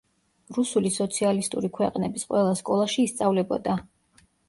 რუსული სოციალისტური ქვეყნების ყველა სკოლაში ისწავლებოდა.